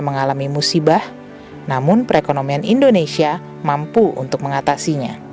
mengalami musibah namun perekonomian indonesia mampu untuk mengatasinya